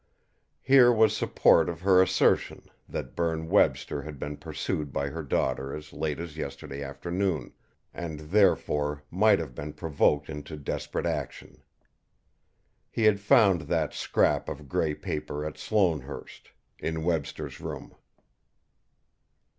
Here was support of her assertion that Berne Webster had been pursued by her daughter as late as yesterday afternoon and, therefore, might have been provoked into desperate action. He had found that scrap of grey paper at Sloanehurst, in Webster's room.